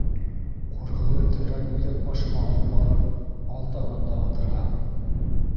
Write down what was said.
— Ҡурғылы тәрән үҙәк башына алып барып алтауһын да атырға.